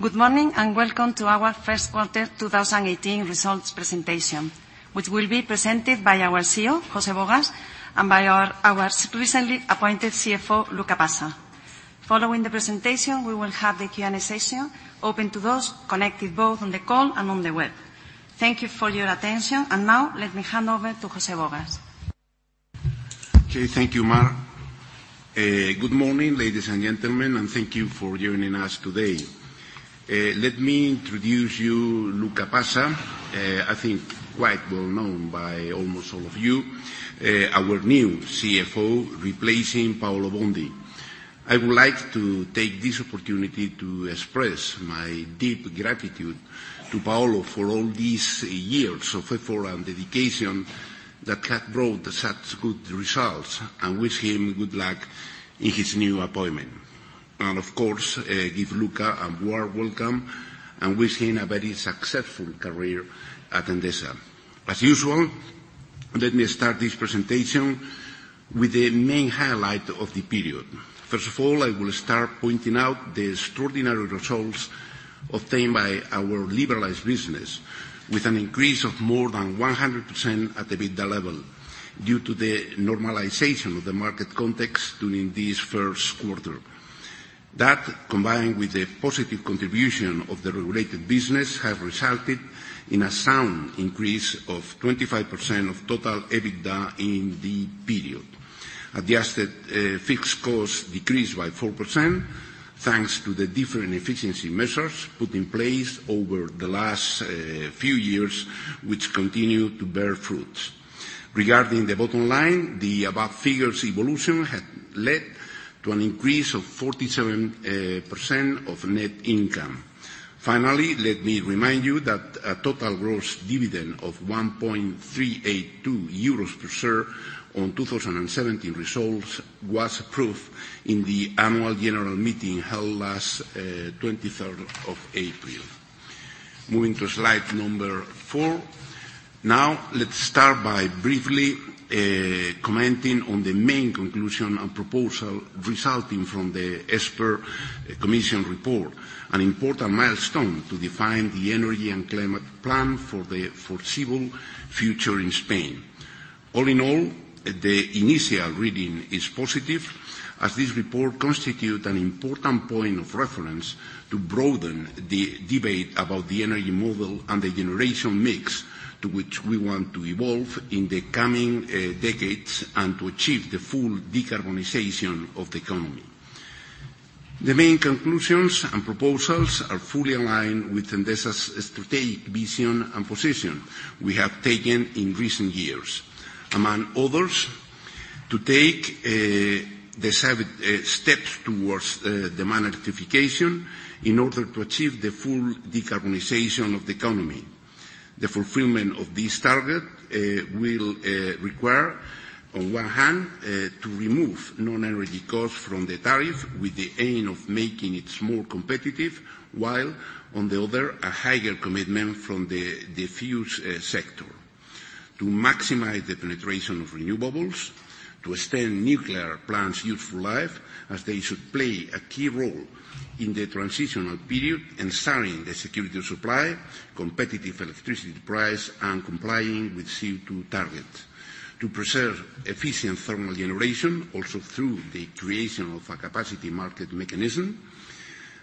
Good morning and welcome to our First Quarter 2018 Results Presentation, which will be presented by our CEO, José Bogas, and by our recently appointed CFO, Luca Passa. Following the presentation, we will have the Q&A session open to those connected both on the call and on the web. Thank you for your attention, and now let me hand over to José Bogas. Okay, thank you, Mar. Good morning, ladies and gentlemen, and thank you for joining us today. Let me introduce you, Luca Passa, I think quite well known by almost all of you, our new CFO replacing Paolo Bondi. I would like to take this opportunity to express my deep gratitude to Paolo for all these years of effort and dedication that have brought such good results, and wish him good luck in his new appointment, and of course, give Luca a warm welcome and wish him a very successful career at Endesa. As usual, let me start this presentation with the main highlight of the period. First of all, I will start pointing out the extraordinary results obtained by our liberalized business, with an increase of more than 100% at EBITDA level due to the normalization of the market context during this first quarter. That, combined with the positive contribution of the regulated business, has resulted in a sound increase of 25% of total EBITDA in the period. Adjusted fixed costs decreased by 4% thanks to the different efficiency measures put in place over the last few years, which continue to bear fruit. Regarding the bottom line, the above figure's evolution has led to an increase of 47% of net income. Finally, let me remind you that a total gross dividend of 1.382 euros per share on 2017 results was approved in the annual general meeting held last 23rd of April. Moving to slide number four, now let's start by briefly commenting on the main conclusion and proposal resulting from the Expert Commission report, an important milestone to define the energy and climate plan for the foreseeable future in Spain. All in all, the initial reading is positive, as this report constitutes an important point of reference to broaden the debate about the energy model and the generation mix to which we want to evolve in the coming decades and to achieve the full decarbonization of the economy. The main conclusions and proposals are fully aligned with Endesa's strategic vision and position we have taken in recent years, among others, to take the steps towards demand electrification in order to achieve the full decarbonization of the economy. The fulfillment of this target will require, on one hand, to remove non-energy costs from the tariff with the aim of making it more competitive, while, on the other, a higher commitment from the diffuse sector. To maximize the penetration of renewables, to extend nuclear plants' useful life, as they should play a key role in the transitional period and ensuring the security of supply, competitive electricity price, and complying with CO2 targets. To preserve efficient thermal generation, also through the creation of a capacity market mechanism,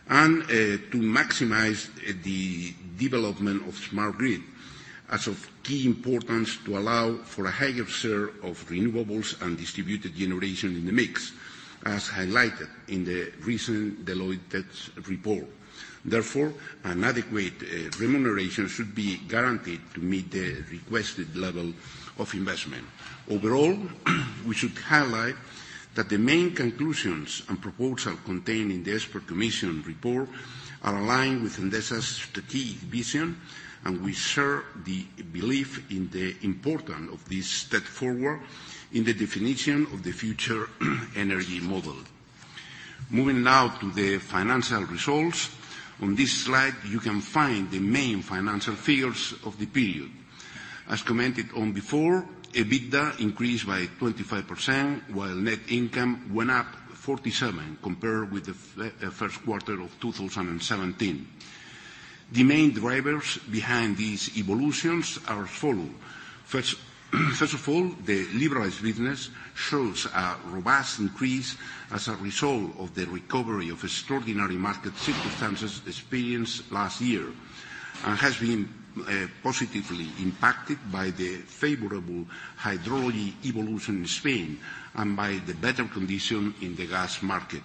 and to maximize the development of smart grid, as of key importance to allow for a higher share of renewables and distributed generation in the mix, as highlighted in the recent Deloitte report. Therefore, an adequate remuneration should be guaranteed to meet the requested level of investment. Overall, we should highlight that the main conclusions and proposal contained in the Expert Commission report are aligned with Endesa's strategic vision, and we share the belief in the importance of this step forward in the definition of the future energy model. Moving now to the financial results, on this slide you can find the main financial figures of the period. As commented on before, EBITDA increased by 25%, while net income went up 47% compared with the first quarter of 2017. The main drivers behind these evolutions are as follows. First of all, the liberalized business shows a robust increase as a result of the recovery of extraordinary market circumstances experienced last year, and has been positively impacted by the favorable hydrology evolution in Spain and by the better condition in the gas market.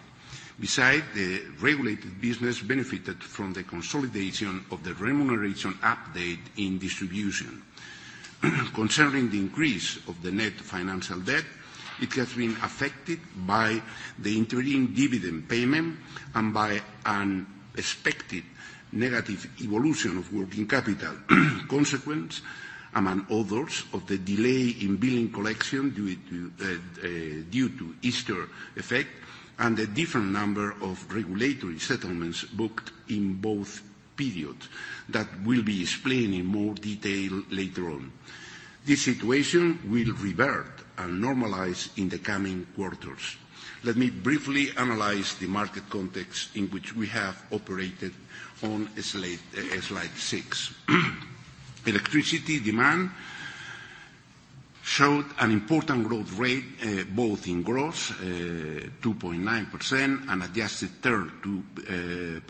Besides, the regulated business benefited from the consolidation of the remuneration update in distribution. Concerning the increase of the net financial debt, it has been affected by the interim dividend payment and by an expected negative evolution of working capital consequence, among others, of the delay in billing collection due to Easter effect and the different number of regulatory settlements booked in both periods that will be explained in more detail later on. This situation will revert and normalize in the coming quarters. Let me briefly analyze the market context in which we have operated on slide six. Electricity demand showed an important growth rate, both in gross 2.9% and adjusted 32%.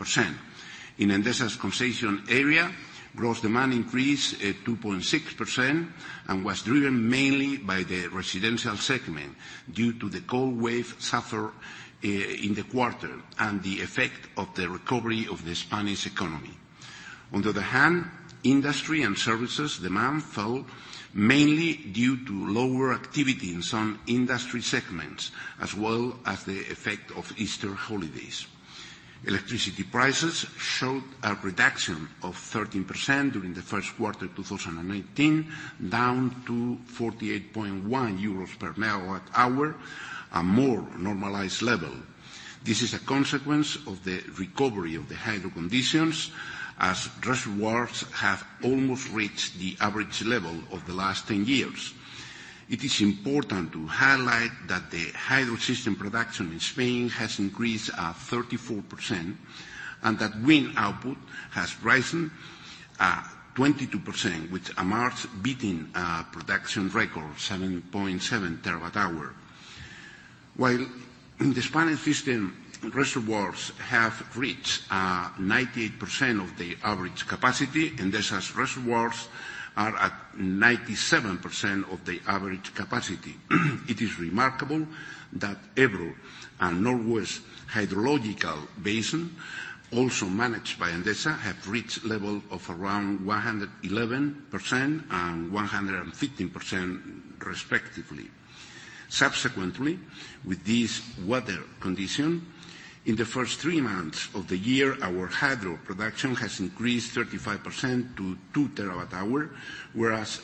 In Endesa's concession area, gross demand increased 2.6% and was driven mainly by the residential segment due to the cold wave suffered in the quarter and the effect of the recovery of the Spanish economy. On the other hand, industry and services demand fell mainly due to lower activity in some industry segments, as well as the effect of Easter holidays. Electricity prices showed a reduction of 13% during the first quarter of 2019, down to 48.1 euros per MWh a more normalized level. This is a consequence of the recovery of the hydro conditions, as reservoirs have almost reached the average level of the last 10 years. It is important to highlight that the hydro system production in Spain has increased 34% and that wind output has risen 22%, which amounts to beating production records 7.7 TWh. While the Spanish system reservoirs have reached 98% of the average capacity, Endesa's reservoirs are at 97% of the average capacity. It is remarkable that Ebro and Northwest Hydrological Basin, also managed by Endesa, have reached levels of around 111% and 115%, respectively. Subsequently, with this weather condition, in the first three months of the year, our hydro production has increased 35% to 2 TWh, whereas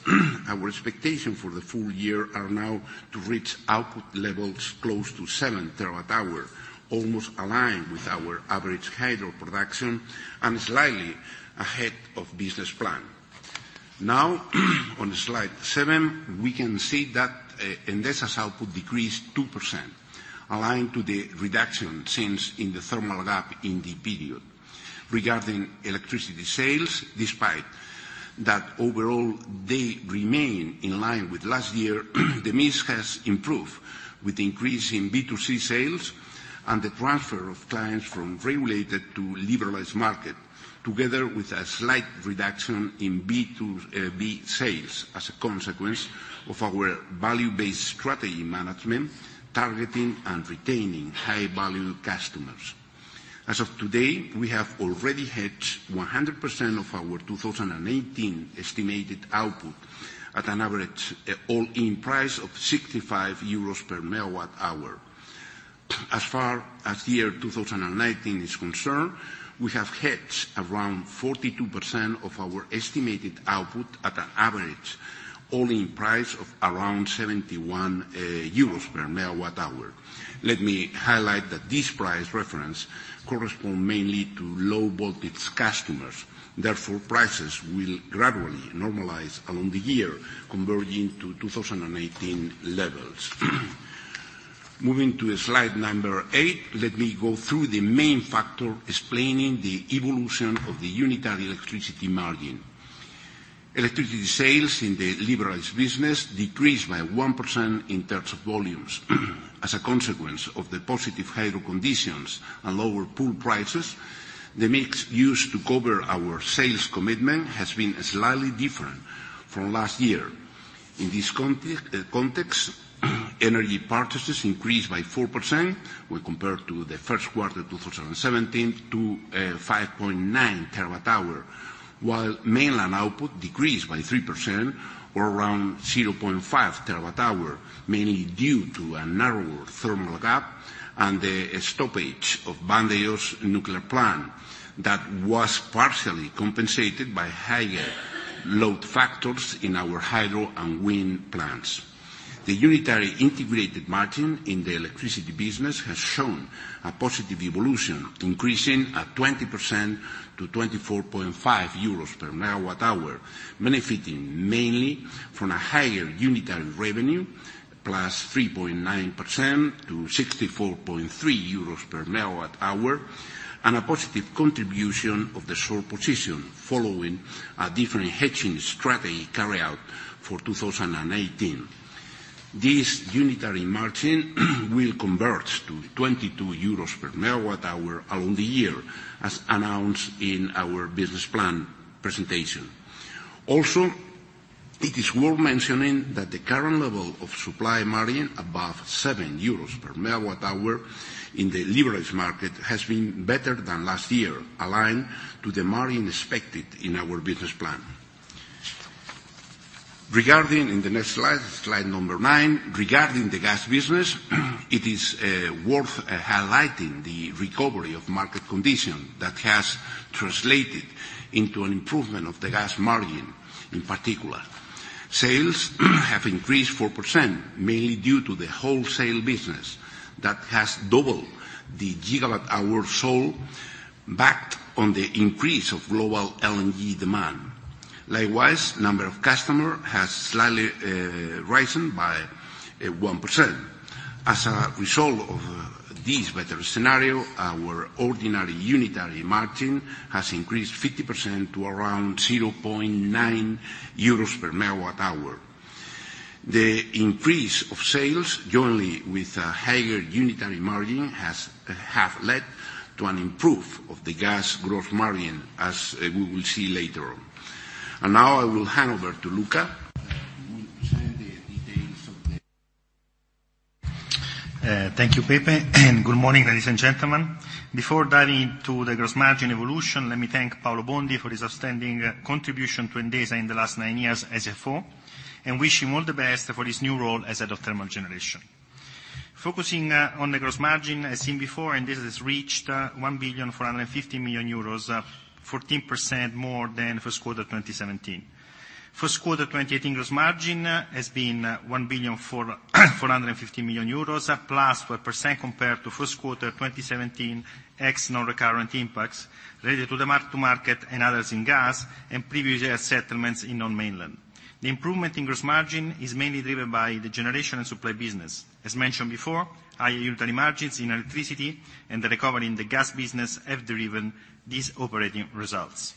our expectations for the full year are now to reach output levels close to 7 TWh, almost aligned with our average hydro production and slightly ahead of the business plan. Now, on slide seven, we can see that Endesa's output decreased 2%, aligned to the reduction in the thermal gap in the period. Regarding electricity sales, despite that overall they remain in line with last year, the mix has improved with the increase in B2C sales and the transfer of clients from regulated to liberalized market, together with a slight reduction in B2B sales as a consequence of our value-based strategy management targeting and retaining high-value customers. As of today, we have already hit 100% of our 2018 estimated output at an average all-in price of 65 euros per MWh. As far as the year 2019 is concerned, we have hit around 42% of our estimated output at an average all-in price of around 71 euros per MWh. Let me highlight that this price reference corresponds mainly to low-voltage customers. Therefore, prices will gradually normalize along the year, converging to 2018 levels. Moving to slide number eight, let me go through the main factor explaining the evolution of the unitary electricity margin. Electricity sales in the liberalized business decreased by 1% in terms of volumes. As a consequence of the positive hydro conditions and lower pool prices, the mix used to cover our sales commitment has been slightly different from last year. In this context, energy purchases increased by 4% when compared to the first quarter of 2017 to 5.9 TWh, while mainland output decreased by 3% or around 0.5 TWh, mainly due to a narrower thermal gap and the stoppage of Vandellòs Nuclear Plant that was partially compensated by higher load factors in our hydro and wind plants. The unitary integrated margin in the electricity business has shown a positive evolution, increasing at 20% to 24.5 euros per MWh, benefiting mainly from a higher unitary revenue, plus 3.9% to 64.3 euros per MWh, and a positive contribution of the short position following a different hedging strategy carried out for 2018. This unitary margin will convert to 22 euros per MWh along the year, as announced in our business plan presentation. Also, it is worth mentioning that the current level of supply margin above 7 euros per MWh in the liberalized market has been better than last year, aligned to the margin expected in our business plan. Regarding the next slide, slide number nine, regarding the gas business, it is worth highlighting the recovery of market conditions that has translated into an improvement of the gas margin in particular. Sales have increased 4%, mainly due to the wholesale business that has doubled the gigawatt hour sold based on the increase of global LNG demand. Likewise, the number of customers has slightly risen by 1%. As a result of this better scenario, our ordinary unitary margin has increased 50% to around 0.9 euros per MWh. The increase of sales, jointly with a higher unitary margin, has led to an improvement of the gas gross margin, as we will see later. Now I will hand over to Luca. Thank you, Pepe. Good morning, ladies and gentlemen. Before diving into the gross margin evolution, let me thank Paolo Bondi for his outstanding contribution to Endesa in the last nine years as a CFO and wish him all the best for his new role as Head of Thermal Generation. Focusing on the gross margin, as seen before, Endesa has reached 1 billion 450 million, 14% more than first quarter 2017. First quarter 2018 gross margin has been 1 billion 450 million, +12% compared to first quarter 2017 ex non-recurrent impacts related to the mark-to-market and others in gas and previous settlements in non-mainland. The improvement in gross margin is mainly driven by the generation and supply business. As mentioned before, higher unitary margins in electricity and the recovery in the gas business have driven these operating results.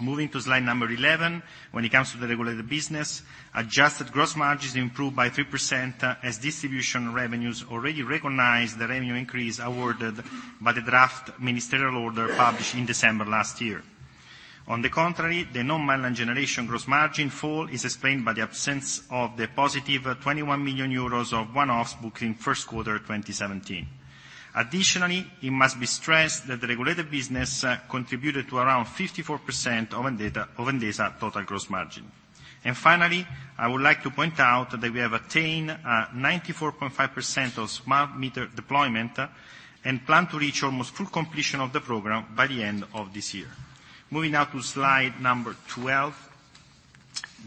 Moving to slide number 11, when it comes to the regulated business, adjusted gross margins improved by 3% as distribution revenues already recognize the revenue increase awarded by the draft ministerial order published in December last year. On the contrary, the non-mainland generation gross margin fall is explained by the absence of the +21 million euros of one-offs booked in first quarter 2017. Additionally, it must be stressed that the regulated business contributed to around 54% of Endesa's total gross margin, and finally, I would like to point out that we have attained 94.5% of smart meter deployment and plan to reach almost full completion of the program by the end of this year. Moving now to slide number 12,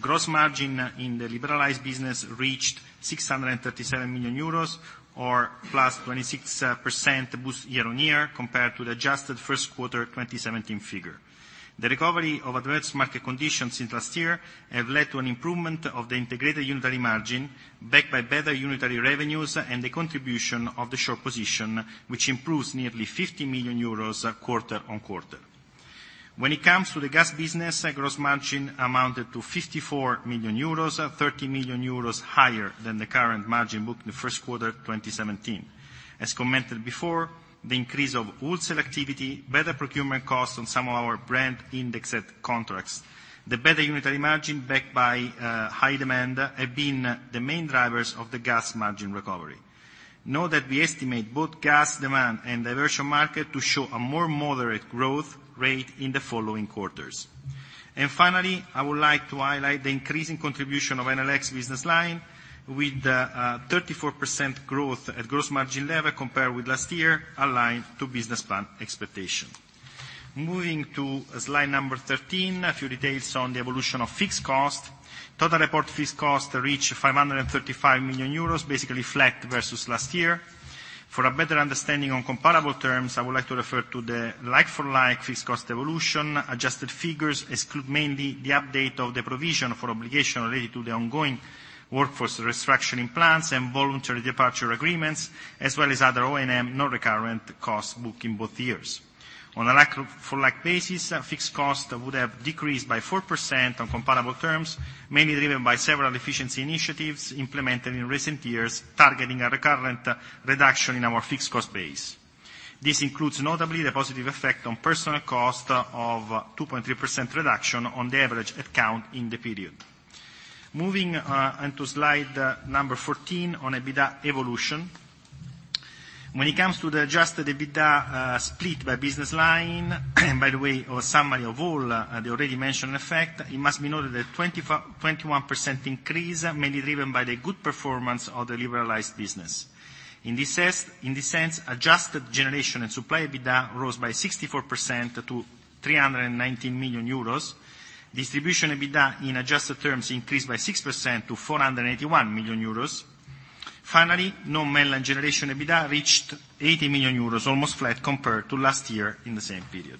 gross margin in the liberalized business reached 637 million euros, or +26% boost year-on-year compared to the adjusted first quarter 2017 figure. The recovery of adverse market conditions since last year has led to an improvement of the integrated unitary margin backed by better unitary revenues and the contribution of the short position, which improves nearly 50 million euros quarter-on-quarter. When it comes to the gas business, gross margin amounted to 54 million euros, 30 million euros higher than the current margin booked in the first quarter 2017. As commented before, the increase of wholesale activity, better procurement costs on some of our Brent indexed contracts, the better unitary margin backed by high demand have been the main drivers of the gas margin recovery. Note that we estimate both gas demand and distribution market to show a more moderate growth rate in the following quarters. And finally, I would like to highlight the increasing contribution of Enel X business line with 34% growth at gross margin level compared with last year, aligned to business plan expectation. Moving to slide number 13, a few details on the evolution of fixed cost. Total reported fixed cost reached 535 million euros, basically flat versus last year. For a better understanding on comparable terms, I would like to refer to the like-for-like fixed cost evolution. Adjusted figures exclude mainly the update of the provision for obligation related to the ongoing workforce restructuring plans and voluntary departure agreements, as well as other O&M non-recurrent costs booked in both years. On a like-for-like basis, fixed costs would have decreased by 4% on comparable terms, mainly driven by several efficiency initiatives implemented in recent years targeting a recurrent reduction in our fixed cost base. This includes notably the positive effect on personnel cost of 2.3% reduction on the average headcount in the period. Moving on to slide number 14 on EBITDA evolution. When it comes to the adjusted EBITDA split by business line, and by the way, a summary of all the already mentioned effects, it must be noted that 21% increase is mainly driven by the good performance of the liberalized business. In this sense, adjusted generation and supply EBITDA rose by 64% to 319 million euros. Distribution EBITDA in adjusted terms increased by 6% to 481 million euros. Finally, non-mainland generation EBITDA reached 80 million euros, almost flat compared to last year in the same period.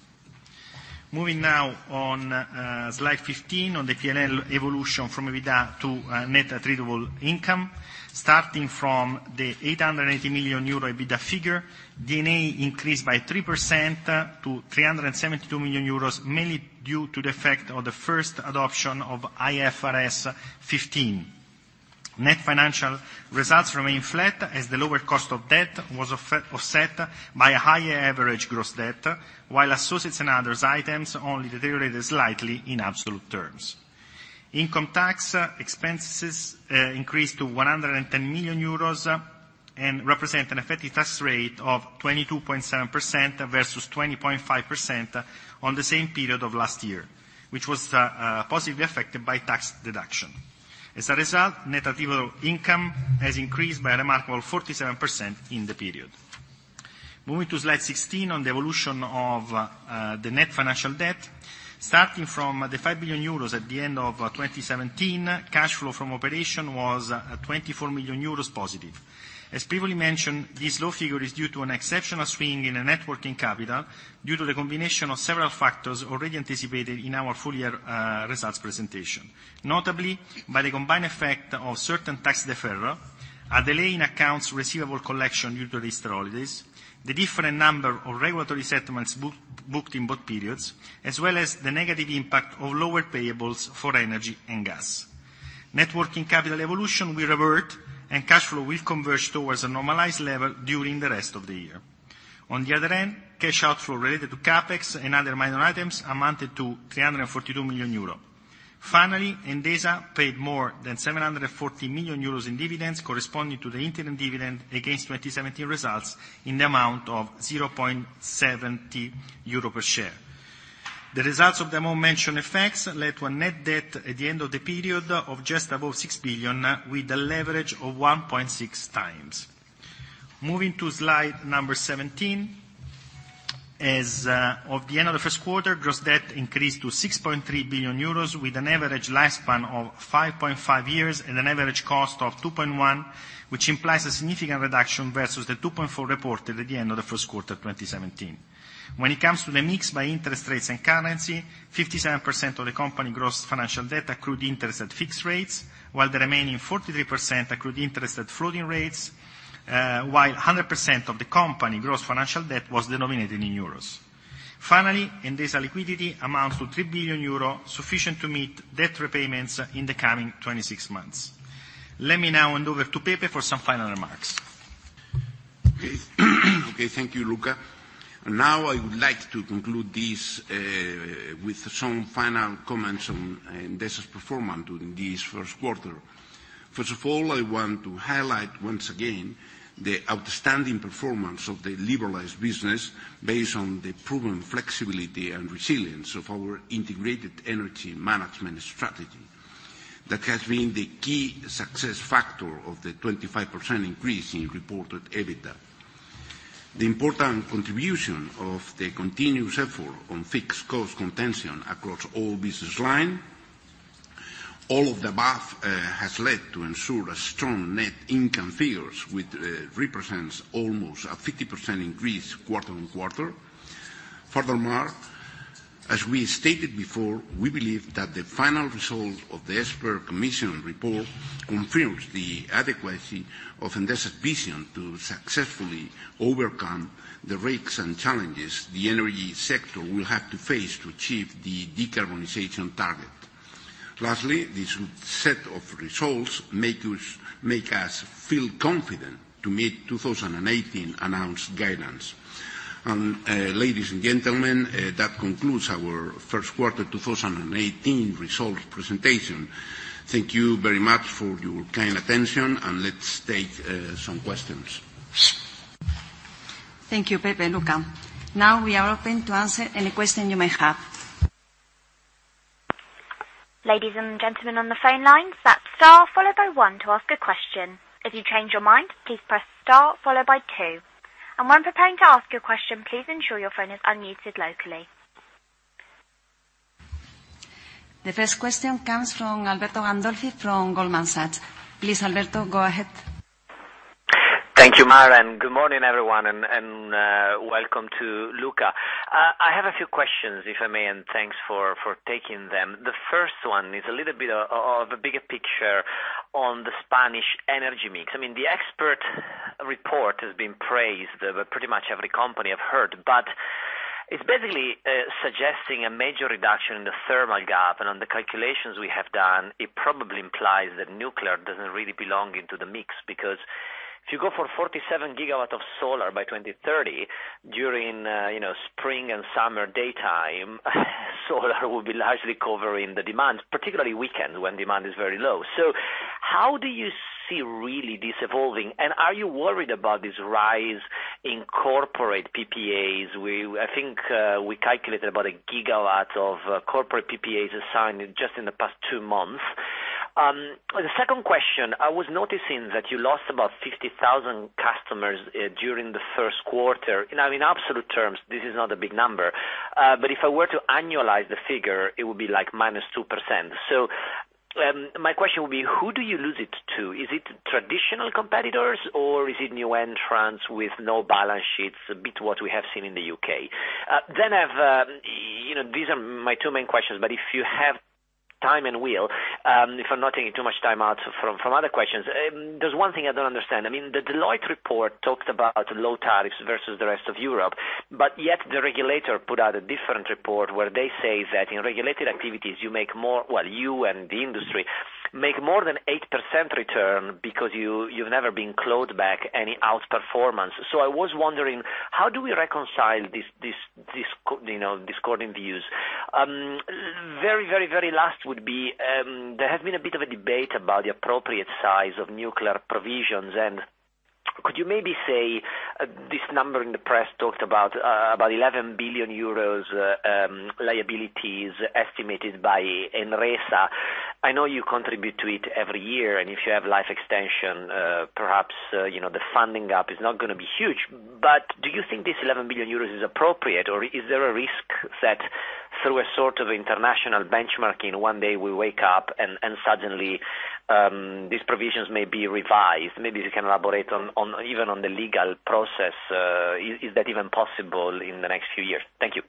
Moving now on slide 15 on the P&L evolution from EBITDA to net attributable income. Starting from the 880 million euro EBITDA figure, D&A increased by 3% to 372 million euros, mainly due to the effect of the first adoption of IFRS 15. Net financial results remained flat as the lower cost of debt was offset by a higher average gross debt, while associates and other items only deteriorated slightly in absolute terms. Income tax expenses increased to 110 million euros and represent an effective tax rate of 22.7% versus 20.5% on the same period of last year, which was positively affected by tax deduction. As a result, net attributable income has increased by a remarkable 47% in the period. Moving to slide 16 on the evolution of the net financial debt. Starting from the 5 billion euros at the end of 2017, cash flow from operations was +24 million euros. As previously mentioned, this low figure is due to an exceptional swing in working capital due to the combination of several factors already anticipated in our full year results presentation. Notably, by the combined effect of certain tax deferral, a delay in accounts receivable collection due to the seasonality, the different number of regulatory settlements booked in both periods, as well as the negative impact of lower payables for energy and gas. Working capital evolution will revert, and cash flow will converge towards a normalized level during the rest of the year. On the other end, cash outflow related to CapEx and other minor items amounted to 342 million euro. Finally, Endesa paid more than 740 million euros in dividends corresponding to the interim dividend against 2017 results in the amount of 0.70 euro per share. The results of the above-mentioned effects led to a net debt at the end of the period of just above 6 billion with a leverage of 1.6x. Moving to slide 17, as of the end of the first quarter, gross debt increased to 6.3 billion euros with an average lifespan of 5.5 years and an average cost of 2.1, which implies a significant reduction versus the 2.4 reported at the end of the first quarter 2017. When it comes to the mix by interest rates and currency, 57% of the company gross financial debt accrued interest at fixed rates, while the remaining 43% accrued interest at floating rates, while 100% of the company gross financial debt was denominated in euros. Finally, Endesa liquidity amounts to 3 billion euro, sufficient to meet debt repayments in the coming 26 months. Let me now hand over to Pepe for some final remarks. Okay, thank you, Luca. Now I would like to conclude this with some final comments on Endesa's performance during this first quarter. First of all, I want to highlight once again the outstanding performance of the liberalized business based on the proven flexibility and resilience of our integrated energy management strategy that has been the key success factor of the 25% increase in reported EBITDA. The important contribution of the continuous effort on fixed cost containment across all business lines, all of the above, has led to ensure strong net income figures which represents almost a 50% increase quarter-on-quarter. Furthermore, as we stated before, we believe that the final result of the expert commission report confirms the adequacy of Endesa's vision to successfully overcome the risks and challenges the energy sector will have to face to achieve the decarbonization target. Lastly, this set of results makes us feel confident to meet 2018 announced guidance. Ladies and gentlemen, that concludes our first quarter 2018 results presentation. Thank you very much for your kind attention, and let's take some questions. Thank you, Pepe and Luca. Now we are open to answer any question you may have. Ladies and gentlemen on the phone lines, that's star followed by one to ask a question. If you change your mind, please press star followed by two. And when preparing to ask your question, please ensure your phone is unmuted locally. The first question comes from Alberto Gandolfi from Goldman Sachs. Please, Alberto, go ahead. Thank you, Mar. And good morning, everyone, and welcome to Luca. I have a few questions, if I may, and thanks for taking them. The first one is a little bit of a bigger picture on the Spanish energy mix. I mean, the expert report has been praised by pretty much every company I've heard, but it's basically suggesting a major reduction in the thermal gap. And on the calculations we have done, it probably implies that nuclear doesn't really belong into the mix because if you go for 47 GW of solar by 2030, during spring and summer daytime, solar will be largely covering the demand, particularly weekends when demand is very low. So how do you see really this evolving? And are you worried about this rise in corporate PPAs? I think we calculated about a gigawatt of corporate PPAs assigned just in the past two months. The second question, I was noticing that you lost about 50,000 customers during the first quarter. Now, in absolute terms, this is not a big number, but if I were to annualize the figure, it would be like -2%. So my question would be, who do you lose it to? Is it traditional competitors or is it new entrants with no balance sheets, a bit what we have seen in the U.K.? Then I have. These are my two main questions, but if you have time and will, if I'm not taking too much time out from other questions, there's one thing I don't understand. I mean, the Deloitte report talked about low tariffs versus the rest of Europe, but yet the regulator put out a different report where they say that in regulated activities, you make more, well, you and the industry make more than 8% return because you've never been clawed back any outperformance. So I was wondering, how do we reconcile these discordant views? Very last would be, there has been a bit of a debate about the appropriate size of nuclear provisions. And could you maybe say this number in the press talked about 11 billion euros liabilities estimated by ENRESA? I know you contribute to it every year, and if you have life extension, perhaps the funding gap is not going to be huge. But do you think this 11 billion euros is appropriate, or is there a risk that through a sort of international benchmarking, one day we wake up and suddenly these provisions may be revised? Maybe you can elaborate even on the legal process. Is that even possible in the next few years? Thank you.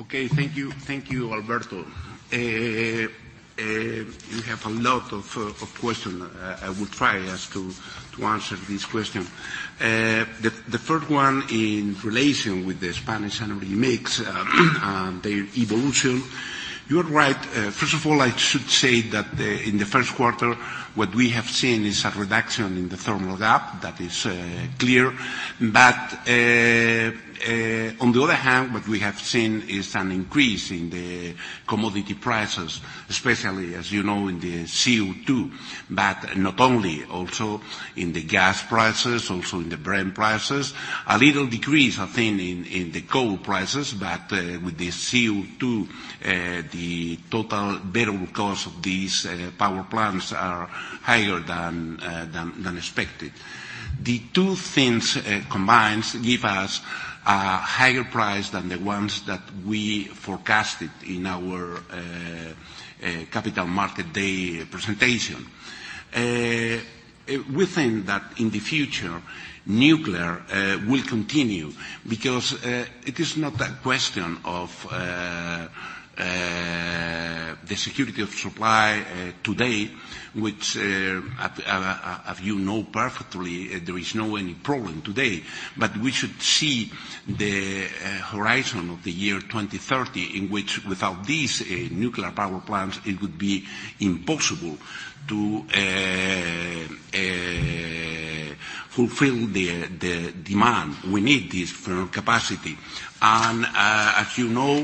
Okay, thank you, Alberto. We have a lot of questions. I will try as to answer this question. The first one in relation with the Spanish energy mix and the evolution, you're right. First of all, I should say that in the first quarter, what we have seen is a reduction in the thermal gap that is clear. But on the other hand, what we have seen is an increase in the commodity prices, especially, as you know, in the CO2, but not only, also in the gas prices, also in the Brent prices. A little decrease, I think, in the coal prices, but with the CO2, the total barrel cost of these power plants are higher than expected. The two things combined give us a higher price than the ones that we forecasted in our Capital Markets Day presentation. We think that in the future, nuclear will continue because it is not a question of the security of supply today, which, as you know perfectly, there is no any problem today. But we should see the horizon of the year 2030 in which, without these nuclear power plants, it would be impossible to fulfill the demand. We need this thermal capacity, and as you know,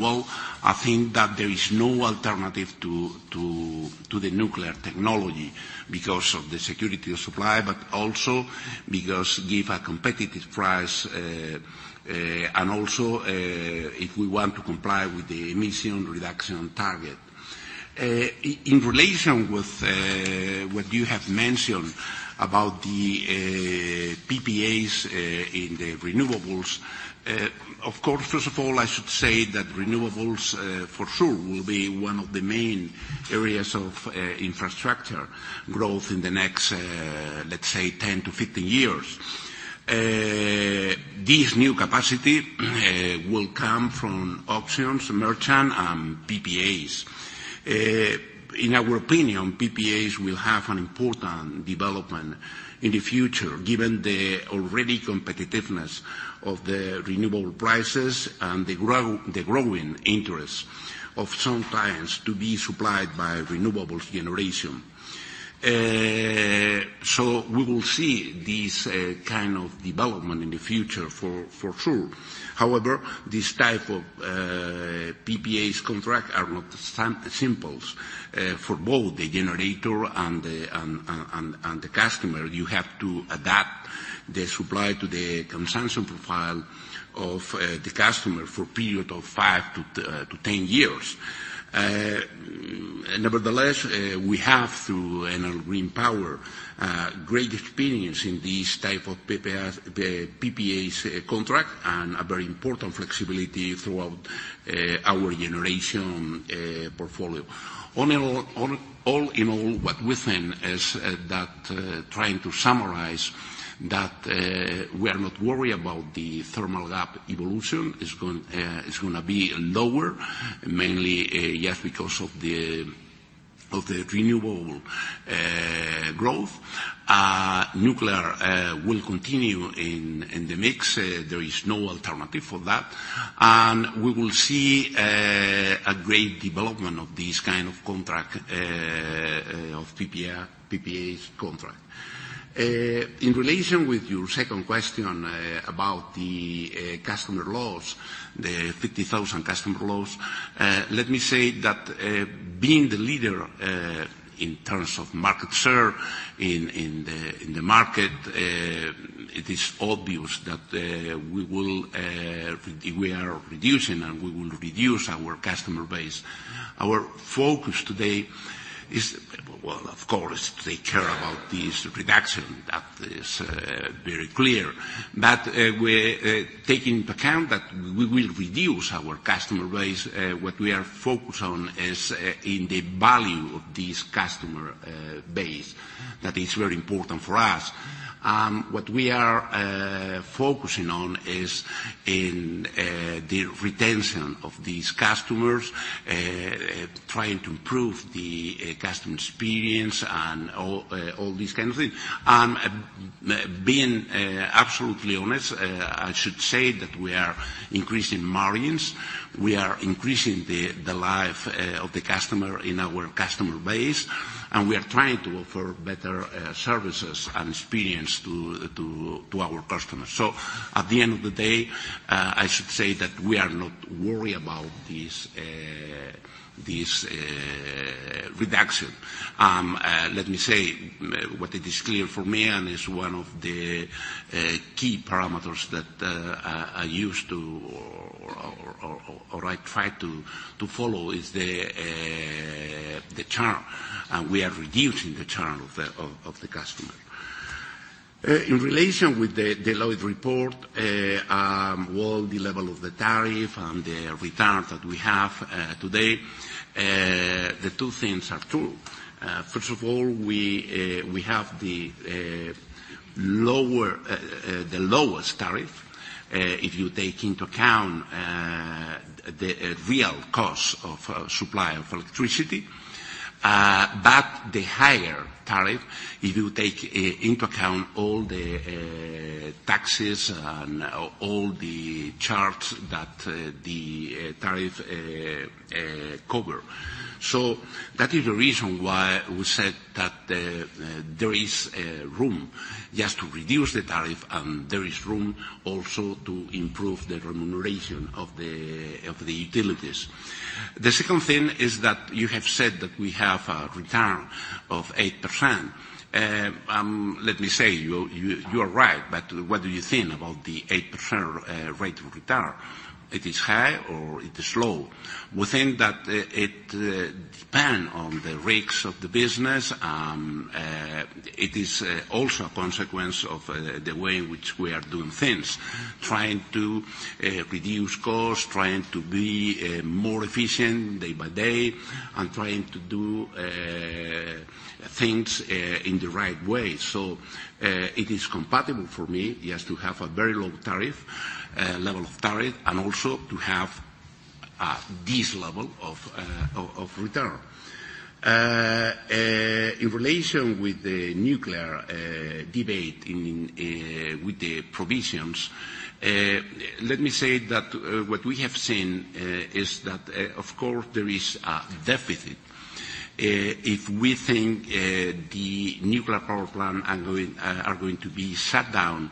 well, I think that there is no alternative to the nuclear technology because of the security of supply, but also because it gives a competitive price, and also if we want to comply with the emission reduction target. In relation with what you have mentioned about the PPAs in the renewables, of course, first of all, I should say that renewables for sure will be one of the main areas of infrastructure growth in the next, let's say, 10 to 15 years. This new capacity will come from options, merchant, and PPAs. In our opinion, PPAs will have an important development in the future given the already competitiveness of the renewable prices and the growing interest of some clients to be supplied by renewables generation. So we will see this kind of development in the future for sure. However, this type of PPAs contract are not simple for both the generator and the customer. You have to adapt the supply to the consumption profile of the customer for a period of 5 to 10 years. Nevertheless, we have through Enel Green Power great experience in this type of PPAs contract and a very important flexibility throughout our generation portfolio. All in all, what we think is that, trying to summarize, that we are not worried about the thermal gap evolution. It's going to be lower, mainly, yes, because of the renewable growth. Nuclear will continue in the mix. There is no alternative for that. And we will see a great development of this kind of contract of PPAs contract. In relation with your second question about the customer loss, the 50,000 customer loss, let me say that being the leader in terms of market share in the market, it is obvious that we are reducing and we will reduce our customer base. Our focus today is, well, of course, to take care about this reduction. That is very clear. But taking into account that we will reduce our customer base, what we are focused on is in the value of this customer base that is very important for us. What we are focusing on is in the retention of these customers, trying to improve the customer experience and all these kinds of things, and being absolutely honest, I should say that we are increasing margins. We are increasing the life of the customer in our customer base, and we are trying to offer better services and experience to our customers, so at the end of the day, I should say that we are not worried about this reduction. Let me say what it is clear for me and is one of the key parameters that I used to or I try to follow is the churn. We are reducing the churn of the customer. In relation with the Deloitte report, well, the level of the tariff and the returns that we have today, the two things are true. First of all, we have the lowest tariff if you take into account the real cost of supply of electricity, but the higher tariff if you take into account all the taxes and all the charges that the tariff covers. So that is the reason why we said that there is room just to reduce the tariff, and there is room also to improve the remuneration of the utilities. The second thing is that you have said that we have a return of 8%. Let me say, you are right, but what do you think about the 8% rate of return? It is high or it is low? We think that it depends on the risk of the business. It is also a consequence of the way in which we are doing things, trying to reduce costs, trying to be more efficient day by day, and trying to do things in the right way. So it is compatible for me just to have a very low level of tariff and also to have this level of return. In relation with the nuclear debate with the provisions, let me say that what we have seen is that, of course, there is a deficit if we think the nuclear power plants are going to be shut down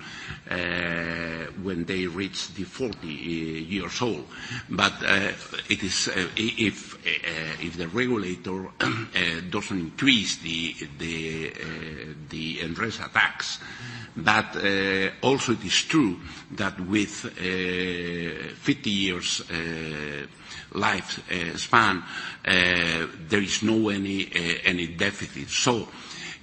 when they reach the 40 years old. But it is if the regulator doesn't increase the ENRESA tax. But also it is true that with 50 years' lifespan, there is no any deficit.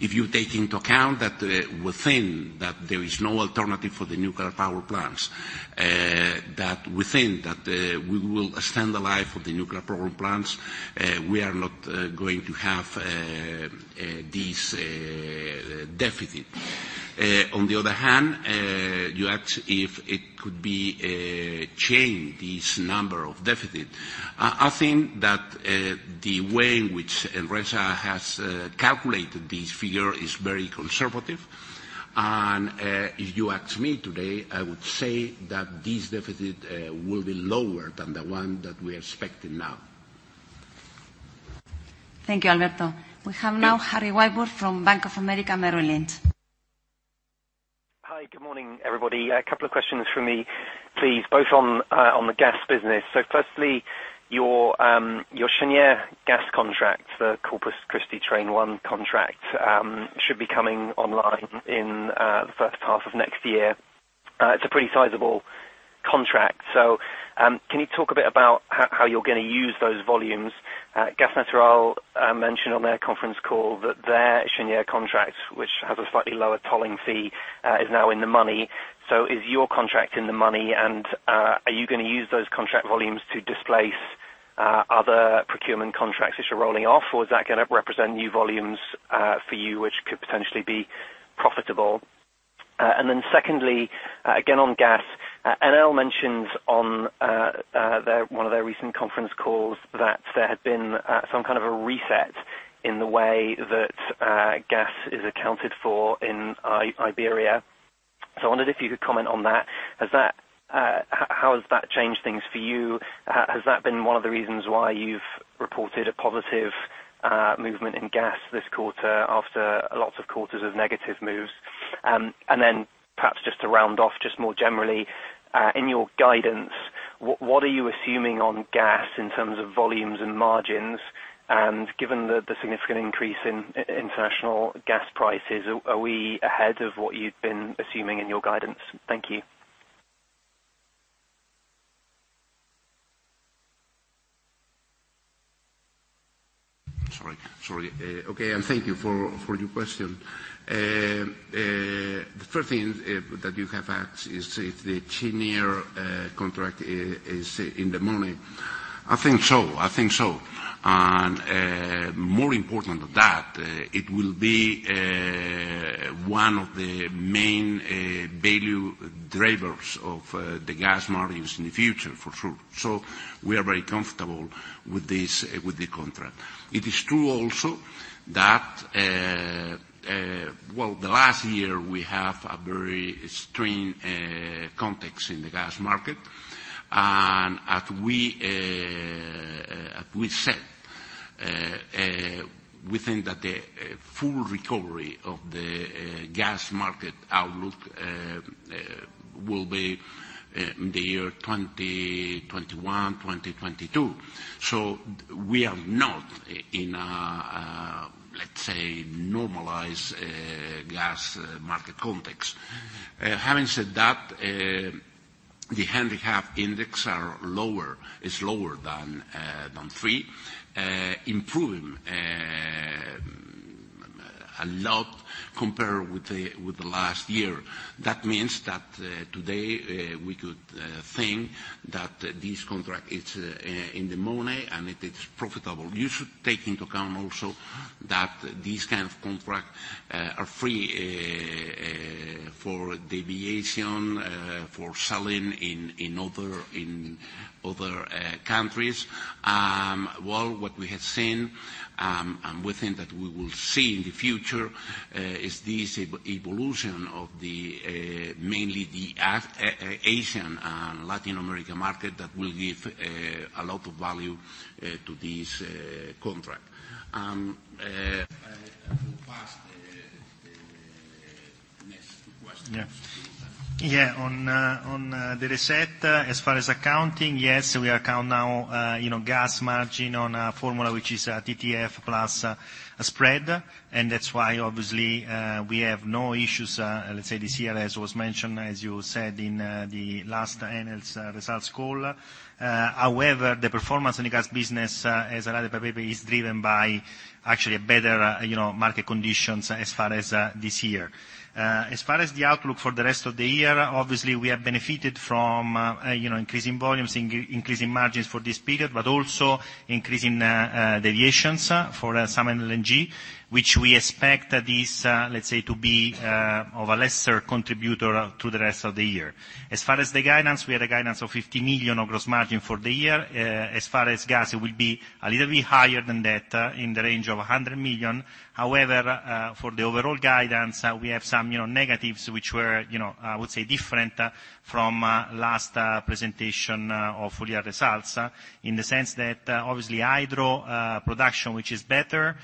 If you take into account that we think that there is no alternative for the nuclear power plants, that we think that we will extend the life of the nuclear power plants, we are not going to have this deficit. On the other hand, you ask if it could be changed this number of deficit. I think that the way in which ENRESA has calculated this figure is very conservative. If you ask me today, I would say that this deficit will be lower than the one that we are expecting now. Thank you, Alberto. We have now Harry Wyburd from Bank of America Merrill Lynch. Hi, good morning, everybody. A couple of questions from me, please, both on the gas business. Firstly, your Cheniere gas contract, the Corpus Christi Train 1 contract, should be coming online in the first half of next year. It's a pretty sizable contract. So can you talk a bit about how you're going to use those volumes? Gas Natural mentioned on their conference call that their Cheniere contract, which has a slightly lower tolling fee, is now in the money. So is your contract in the money, and are you going to use those contract volumes to displace other procurement contracts which are rolling off, or is that going to represent new volumes for you which could potentially be profitable? And then secondly, again on gas, Enel mentioned on one of their recent conference calls that there had been some kind of a reset in the way that gas is accounted for in Iberia. So I wondered if you could comment on that. How has that changed things for you? Has that been one of the reasons why you've reported a positive movement in gas this quarter after lots of quarters of negative moves? And then perhaps just to round off, just more generally, in your guidance, what are you assuming on gas in terms of volumes and margins? And given the significant increase in international gas prices, are we ahead of what you'd been assuming in your guidance? Thank you. Okay, and thank you for your question. The first thing that you have asked is if the Cheniere contract is in the money. I think so. I think so. And more important than that, it will be one of the main value drivers of the gas margins in the future, for sure. So we are very comfortable with the contract. It is true also that, well, the last year we have a very strange context in the gas market. And as we said, we think that the full recovery of the gas market outlook will be in the year 2021, 2022. So we are not in a, let's say, normalized gas market context. Having said that, the Henry Hub index is lower than 3, improving a lot compared with the last year. That means that today we could think that this contract is in the money and it is profitable. You should take into account also that these kinds of contracts are free for deviation, for selling in other countries. Well, what we have seen, and we think that we will see in the future, is this evolution of mainly the Asian and Latin American market that will give a lot of value to this contract. I will pass the next question. Yeah. On the reset, as far as accounting, yes, we account now gas margin on a formula which is a TTF plus a spread. That's why, obviously, we have no issues, let's say, this year as was mentioned, as you said in the last Enel's results call. However, the performance in the gas business, as I read it, is driven by actually better market conditions as far as this year. As far as the outlook for the rest of the year, obviously, we have benefited from increasing volumes, increasing margins for this period, but also increasing deviations for some LNG, which we expect this, let's say, to be of a lesser contributor to the rest of the year. As far as the guidance, we had a guidance of 50 million of gross margin for the year. As far as gas, it will be a little bit higher than that in the range of 100 million. However, for the overall guidance, we have some negatives which were, I would say, different from last presentation of full year results in the sense that, obviously, hydro production, which is better,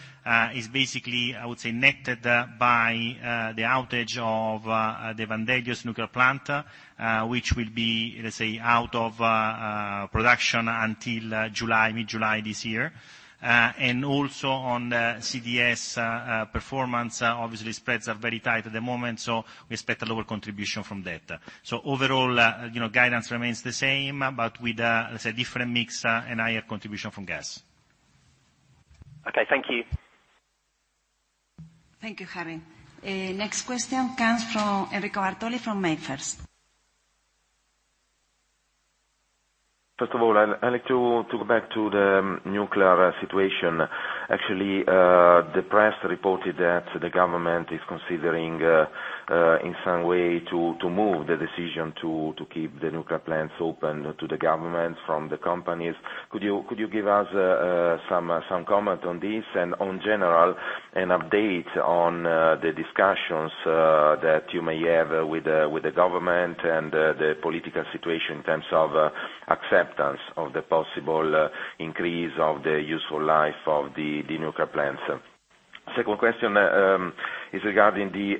is basically, I would say, netted by the outage of the Vandellòs Nuclear Plant, which will be, let's say, out of production until July, mid-July this year. And also on CDS performance, obviously, spreads are very tight at the moment, so we expect a lower contribution from that. So overall, guidance remains the same, but with a different mix and higher contribution from gas. Okay. Thank you. Thank you, Harry. Next question comes from Enrico Bartoli from MainFirst. First of all, I'd like to go back to the nuclear situation. Actually, the press reported that the government is considering in some way to move the decision to keep the nuclear plants open to the government from the companies. Could you give us some comment on this and, in general, an update on the discussions that you may have with the government and the political situation in terms of acceptance of the possible increase of the useful life of the nuclear plants? Second question is regarding the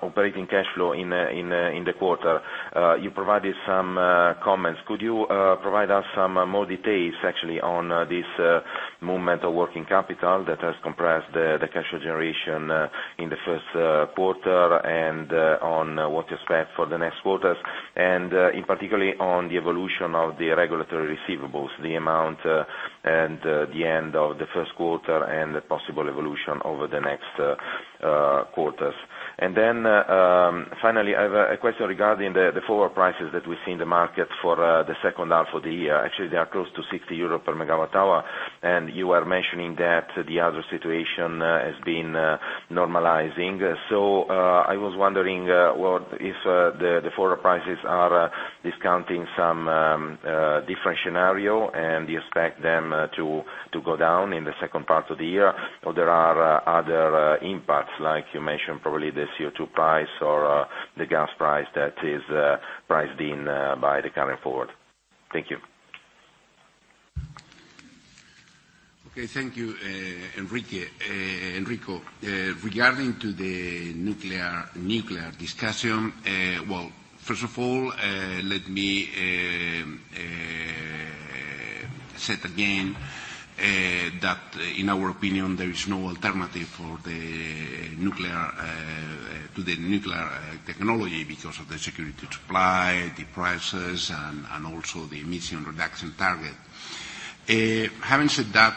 operating cash flow in the quarter. You provided some comments. Could you provide us some more details, actually, on this movement of working capital that has compressed the cash flow generation in the first quarter and on what to expect for the next quarters, and in particular on the evolution of the regulatory receivables, the amount and the end of the first quarter and the possible evolution over the next quarters? Then finally, I have a question regarding the fuel prices that we see in the market for the second half of the year. Actually, they are close to 60 euros per MWh, and you were mentioning that the other situation has been normalizing. So I was wondering if the fuel prices are discounting some different scenario and you expect them to go down in the second part of the year, or there are other impacts like you mentioned, probably the CO2 price or the gas price that is priced in by the current forward? Thank you. Okay. Thank you, Enrico. Regarding the nuclear discussion, well, first of all, let me say again that in our opinion, there is no alternative to the nuclear technology because of the security supply, the prices, and also the emission reduction target. Having said that,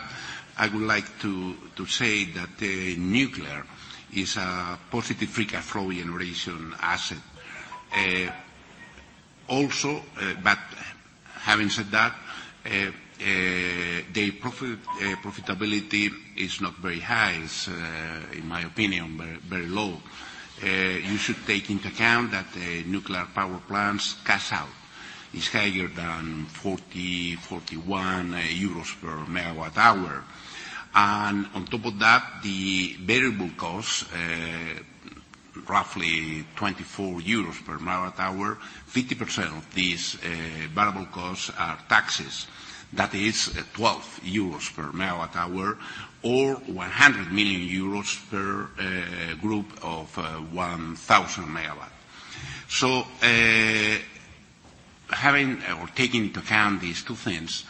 I would like to say that nuclear is a positive free cash flow generation asset. Also, but having said that, the profitability is not very high. It's, in my opinion, very low. You should take into account that nuclear power plants' cash out is higher than 40-41 euros per MWh. And on top of that, the variable costs, roughly 24 euros per MWh, 50% of these variable costs are taxes. That is 12 euros per MWh or 100 million euros per group of 1,000 MW. So taking into account these two things,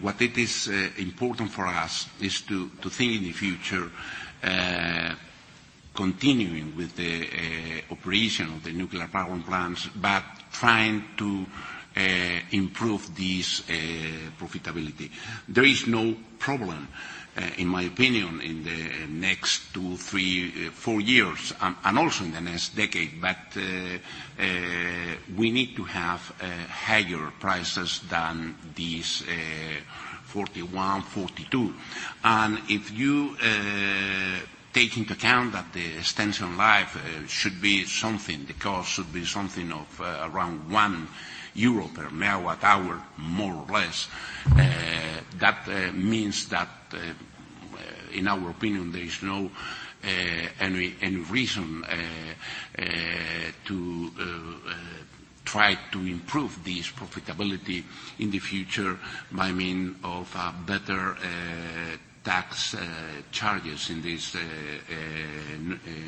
what it is important for us is to think in the future, continuing with the operation of the nuclear power plants, but trying to improve this profitability. There is no problem, in my opinion, in the next two, three, four years, and also in the next decade, but we need to have higher prices than these 41, 42, and if you take into account that the extension life should be something, the cost should be something of around 1 euro per MWh, more or less, that means that, in our opinion, there is no reason to try to improve this profitability in the future by means of better tax charges in these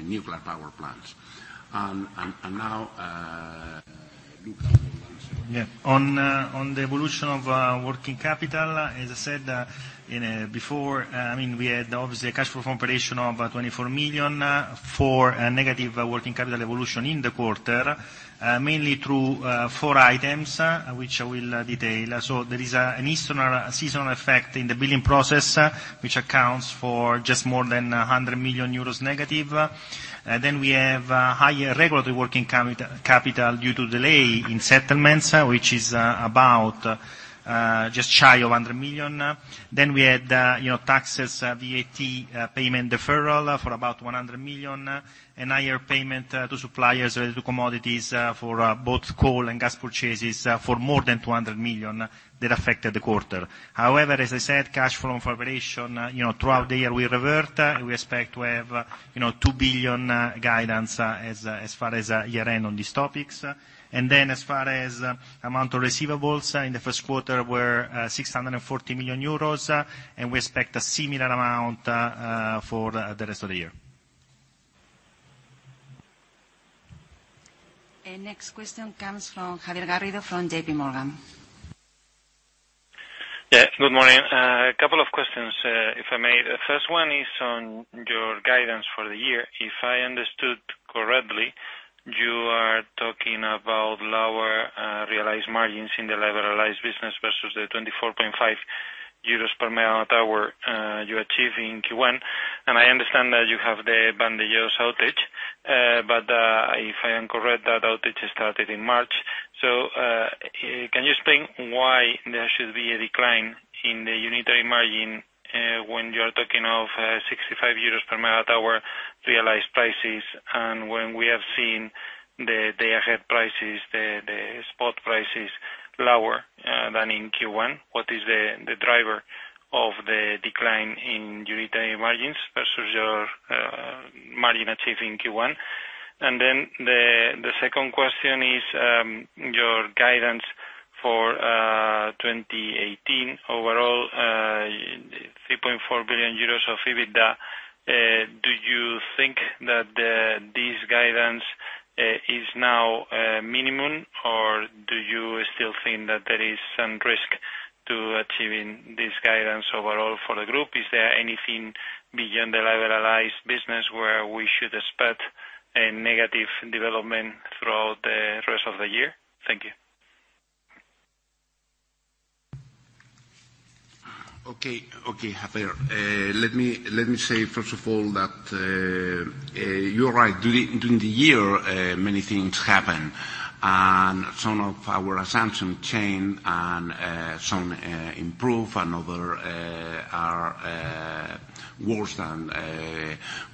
nuclear power plants, and now, Luca. Yeah. On the evolution of working capital, as I said before, I mean, we had obviously a cash flow from operation of 24 million for negative working capital evolution in the quarter, mainly through four items which I will detail. So there is a seasonal effect in the billing process which accounts for just more than -100 million euros. Then we have higher regulatory working capital due to delay in settlements, which is about just shy of 100 million. Then we had taxes, VAT payment deferral for about 100 million and higher payment to suppliers related to commodities for both coal and gas purchases for more than 200 million that affected the quarter. However, as I said, cash flow from operation throughout the year we revert and we expect to have 2 billion guidance as far as year-end on these topics. And then as far as amount of receivables in the first quarter were 640 million euros, and we expect a similar amount for the rest of the year. And next question comes from Javier Garrido from JPMorgan. Yeah. Good morning. A couple of questions, if I may. The first one is on your guidance for the year. If I understood correctly, you are talking about lower realized margins in the liberalized business versus the 24.5 euros per MWh you achieve in Q1. And I understand that you have the Vandellòs outage, but if I am correct, that outage started in March. So can you explain why there should be a decline in the unitary margin when you are talking of 65 euros per MWh realized prices and when we have seen the day-ahead prices, the spot prices lower than in Q1? What is the driver of the decline in unitary margins versus your margin achieved in Q1? And then the second question is your guidance for 2018. Overall, 3.4 billion euros of EBITDA. Do you think that this guidance is now minimum, or do you still think that there is some risk to achieving this guidance overall for the group? Is there anything beyond the liberalized business where we should expect a negative development throughout the rest of the year? Thank you. Okay. Okay, Javier. Let me say, first of all, that you're right. During the year, many things happen, and some of our assumptions change and some improve, and others are worse than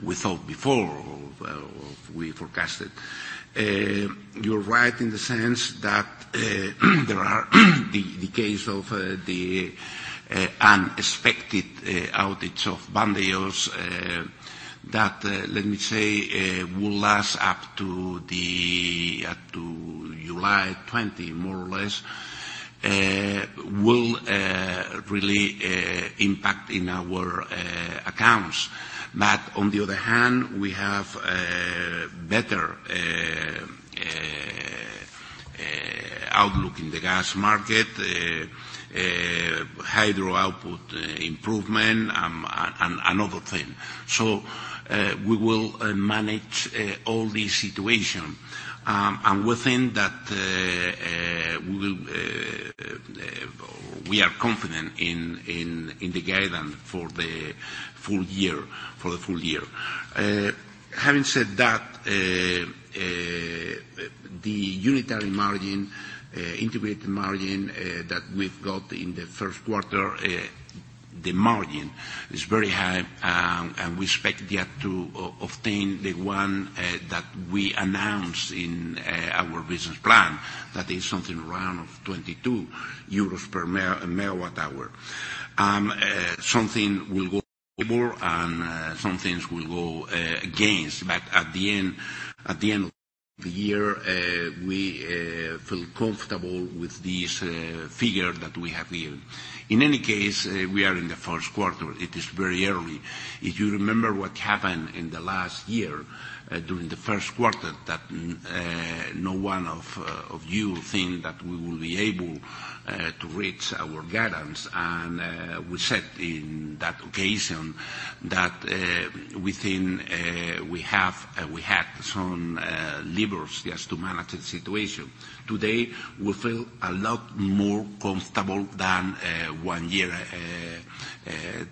we thought before or we forecasted. You're right in the sense that there are the case of the unexpected outage of Vandellòs that, let me say, will last up to July 20, more or less, will really impact in our accounts. But on the other hand, we have better outlook in the gas market, hydro output improvement, and other things. So we will manage all these situations. We think that we are confident in the guidance for the full year. Having said that, the unitary margin, integrated margin that we've got in the first quarter, the margin is very high, and we expect yet to obtain the one that we announced in our business plan. That is something around 22 euros per MWh. Something will go above and some things will go against. At the end of the year, we feel comfortable with this figure that we have here. In any case, we are in the first quarter. It is very early. If you remember what happened in the last year during the first quarter, that no one of you thinks that we will be able to reach our guidance. We said in that occasion that we think we had some levers just to manage the situation. Today, we feel a lot more comfortable than one year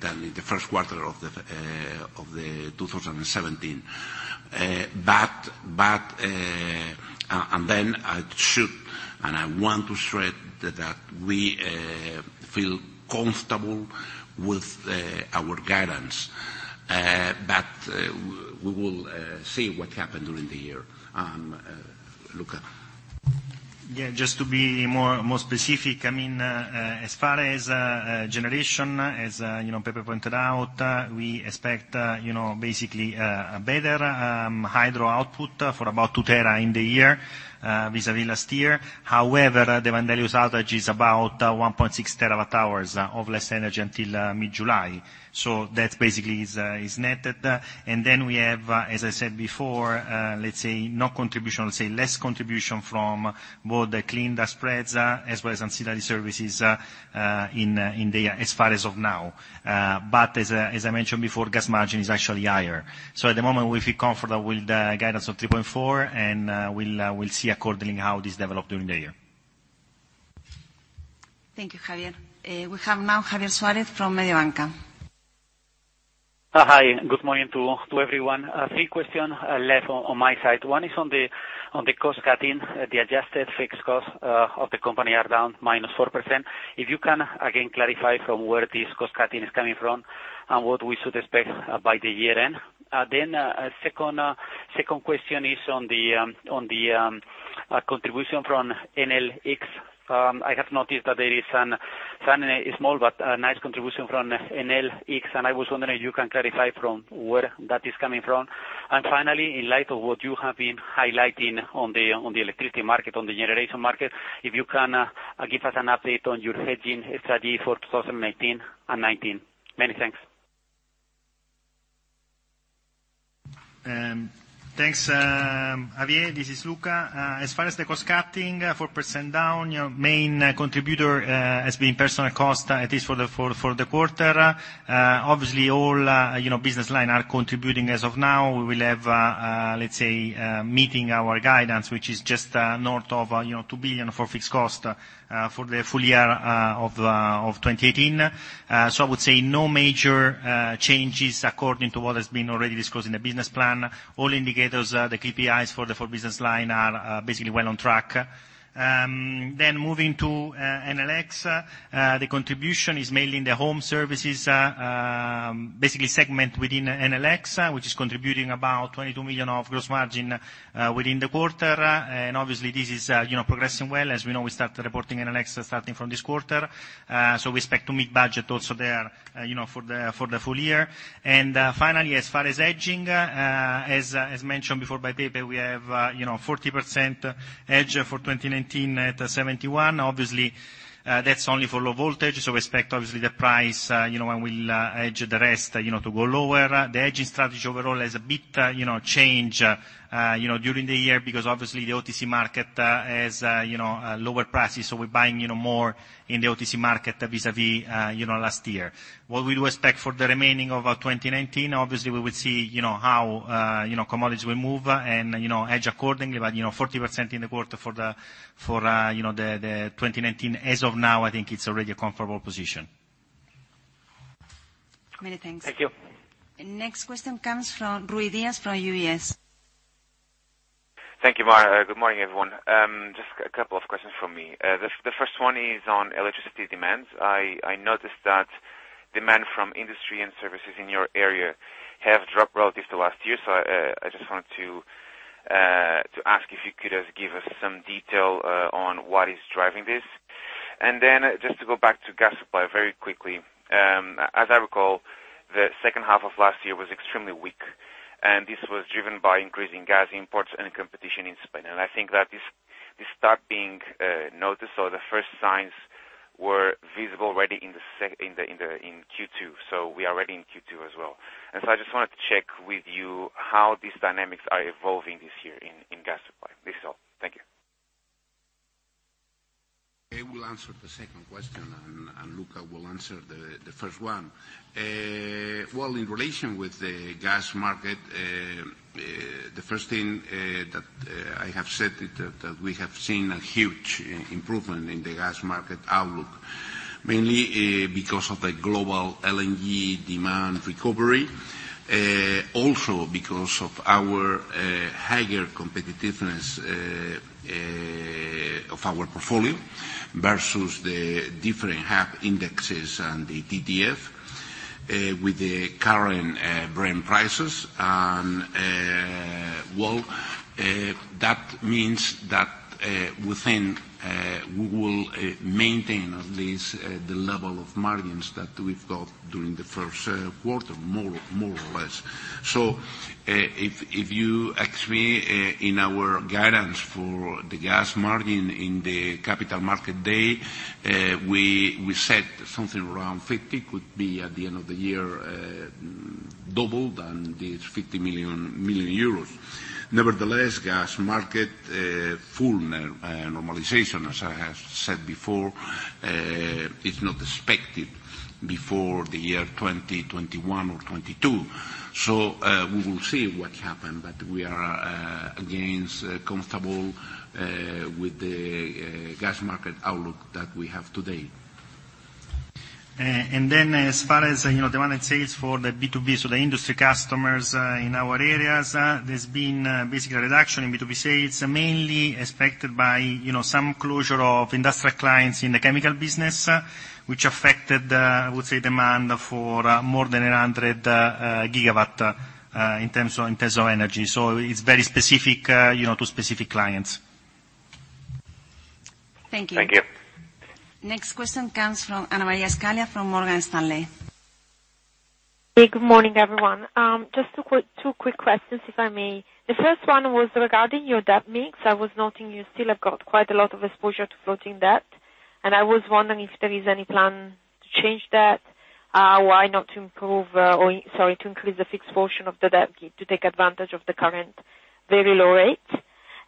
than in the first quarter of 2017, and then I should, and I want to stress that we feel comfortable with our guidance, but we will see what happens during the year. Luca. Yeah. Just to be more specific, I mean, as far as generation, as Pepe pointed out, we expect basically a better hydro output for about 2 TWh in the year vis-à-vis last year. However, the Vandellòs outage is about 1.6 TWh of less energy until mid-July. So that basically is netted, and then we have, as I said before, let's say no contribution, let's say less contribution from both the clean gas spreads as well as ancillary services in the year as far as now. But as I mentioned before, gas margin is actually higher. So at the moment, we feel comfortable with the guidance of 3.4, and we'll see accordingly how this develops during the year. Thank you, Javier. We have now Javier Suárez from Mediobanca. Hi. Good morning to everyone. Three questions left on my side. One is on the cost cutting. The adjusted fixed costs of the company are down -4%. If you can again clarify from where this cost cutting is coming from and what we should expect by the year-end? Then second question is on the contribution from Enel X. I have noticed that there is a small but nice contribution from Enel X, and I was wondering if you can clarify from where that is coming from? And finally, in light of what you have been highlighting on the electricity market, on the generation market, if you can give us an update on your hedging strategy for 2018 and 2019? Many thanks. Thanks, Javier. This is Luca. As far as the cost cutting, 4% down. Main contributor has been personnel costs at least for the quarter. Obviously, all business lines are contributing as of now. We will have, let's say, meeting our guidance, which is just north of 2 billion for fixed costs for the full year of 2018. So I would say no major changes according to what has been already disclosed in the business plan. All indicators, the KPIs for the four business lines are basically well on track. Then moving to Enel X, the contribution is mainly in the home services, basically segment within Enel X, which is contributing about 22 million of gross margin within the quarter. And obviously, this is progressing well. As we know, we started reporting Enel X starting from this quarter. So we expect to meet budget also there for the full year. Finally, as far as hedging, as mentioned before by Pepe, we have 40% hedge for 2019 at 71. Obviously, that's only for low voltage. So we expect obviously the price when we hedge the rest to go lower. The hedging strategy overall has a bit changed during the year because obviously the OTC market has lower prices. So we're buying more in the OTC market vis-à-vis last year. What we do expect for the remaining of 2019, obviously we would see how commodities will move and hedge accordingly, but 40% in the quarter for the 2019. As of now, I think it's already a comfortable position. Many thanks. Thank you. Next question comes from Rui Dias from UBS. Thank you, Mar. Good morning, everyone. Just a couple of questions from me. The first one is on electricity demands. I noticed that demand from industry and services in your area have dropped relative to last year. So I just wanted to ask if you could give us some detail on what is driving this. And then just to go back to gas supply very quickly, as I recall, the second half of last year was extremely weak. And this was driven by increasing gas imports and competition in Spain. And I think that this start being noticed, or the first signs were visible already in Q2. So we are already in Q2 as well. And so I just wanted to check with you how these dynamics are evolving this year in gas supply. This is all. Thank you. I will answer the second question, and Luca will answer the first one. In relation with the gas market, the first thing that I have said is that we have seen a huge improvement in the gas market outlook, mainly because of the global LNG demand recovery, also because of our higher competitiveness of our portfolio versus the different Hub indexes and the TTF with the current Brent prices. That means that we think we will maintain at least the level of margins that we've got during the first quarter, more or less. If you ask me in our guidance for the gas margin in the Capital Markets Day, we said something around 50 could be at the end of the year doubled and this EUR 50 million. Nevertheless, gas market full normalization, as I have said before, is not expected before the year 2021 or 2022. So we will see what happens, but we are again comfortable with the gas market outlook that we have today. And then as far as demand and sales for the B2B, so the industry customers in our areas, there's been basically a reduction in B2B sales, mainly expected by some closure of industrial clients in the chemical business, which affected, I would say, demand for more than 100 GW in terms of energy. So it's very specific to specific clients. Thank you. Thank you. Next question comes from Anna Maria Scaglia from Morgan Stanley. Hey, good morning, everyone. Just two quick questions, if I may. The first one was regarding your debt mix. I was noting you still have got quite a lot of exposure to floating debt, and I was wondering if there is any plan to change that, why not to improve, sorry, to increase the fixed portion of the debt to take advantage of the current very low rate.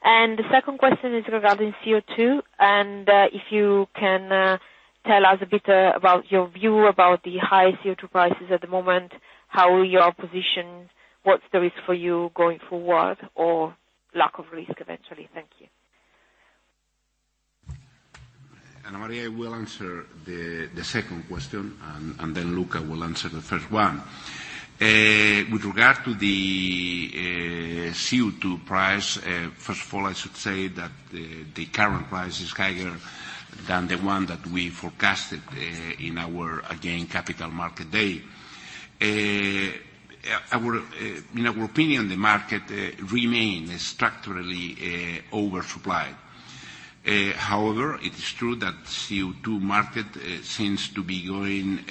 The second question is regarding CO2, and if you can tell us a bit about your view about the high CO2 prices at the moment, how you are positioned, what's the risk for you going forward, or lack of risk eventually. Thank you. Anna Maria will answer the second question, and then Luca will answer the first one. With regard to the CO2 price, first of all, I should say that the current price is higher than the one that we forecasted in our, again, Capital Markets Day. In our opinion, the market remains structurally oversupplied. However, it is true that the CO2 market seems to be going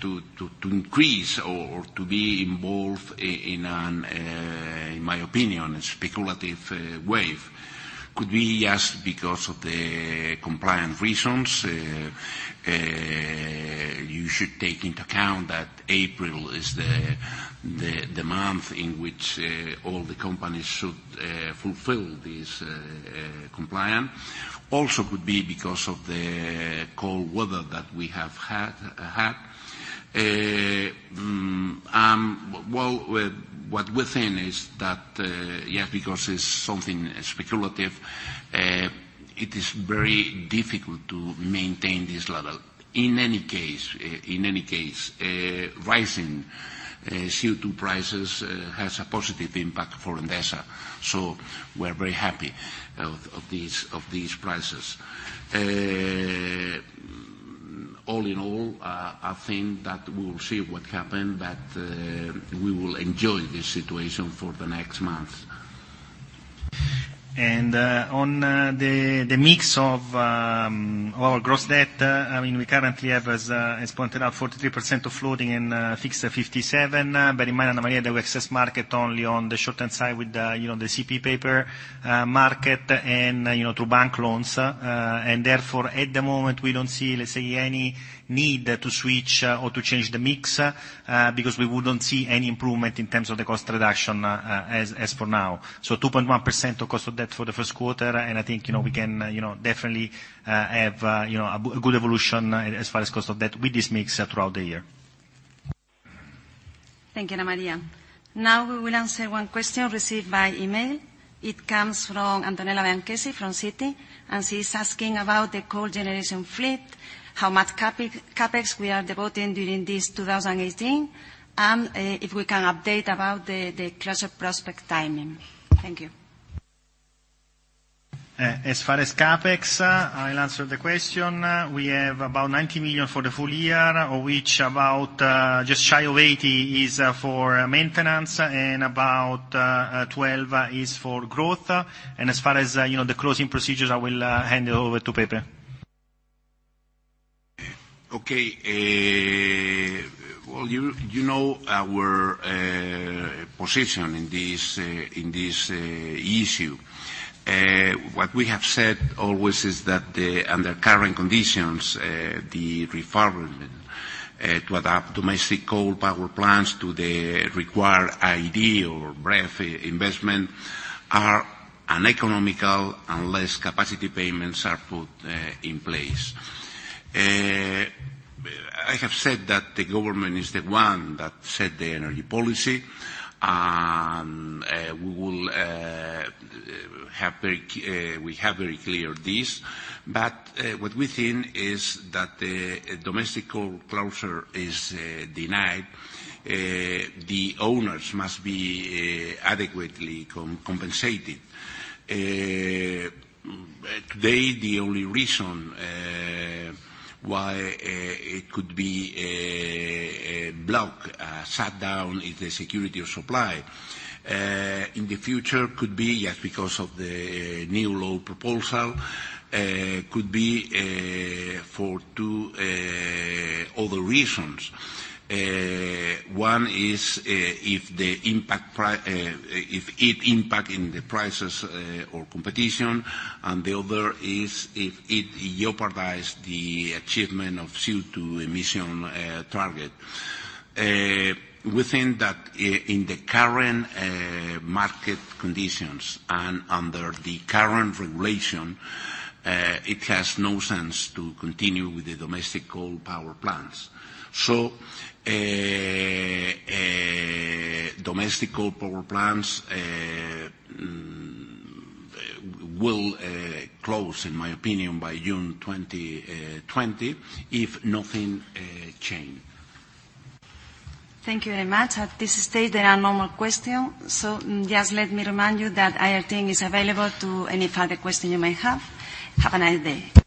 to increase or to be involved in, in my opinion, a speculative wave. Could be just because of the compliance reasons. You should take into account that April is the month in which all the companies should fulfill this compliance. Also could be because of the cold weather that we have had, well, what we think is that, yes, because it's something speculative, it is very difficult to maintain this level. In any case, rising CO2 prices has a positive impact for Endesa. So we're very happy of these prices. All in all, I think that we will see what happens, but we will enjoy this situation for the next month. And on the mix of our gross debt, I mean, we currently have, as pointed out, 43% of floating and fixed at 57%. Bear in mind, Anna Maria, that we access market only on the short-term side with the CP paper market and through bank loans. And therefore, at the moment, we don't see, let's say, any need to switch or to change the mix because we wouldn't see any improvement in terms of the cost reduction as for now. So 2.1% of cost of debt for the first quarter, and I think we can definitely have a good evolution as far as cost of debt with this mix throughout the year. Thank you, Anna Maria. Now we will answer one question received by email. It comes from Antonella Bianchessi from Citi, and she is asking about the coal generation fleet, how much CapEx we are devoting during this 2018, and if we can update about the closure prospect timing. Thank you. As far as CapEx, I'll answer the question. We have about 90 million for the full year, of which about just shy of 80 million is for maintenance and about 12 million is for growth. As far as the closing procedures, I will hand it over to Pepe. Okay. Well, you know our position in this issue. What we have said always is that under current conditions, the refurbishment to adapt domestic coal power plants to the required IED or BREF investment are uneconomical unless capacity payments are put in place. I have said that the government is the one that set the energy policy, and we have very clear this. What we think is that the domestic coal closure is denied, the owners must be adequately compensated. Today, the only reason why it could be blocked, shut down, is the security of supply. In the future, could be just because of the new law proposal, could be for two other reasons. One is if it impacts in the prices or competition, and the other is if it jeopardizes the achievement of CO2 emission target. We think that in the current market conditions and under the current regulation, it has no sense to continue with the domestic coal power plants. So domestic coal power plants will close, in my opinion, by June 2020 if nothing changes. Thank you very much. At this stage, there are no more questions. So just let me remind you that the IR team is available to any further questions you may have. Have a nice day.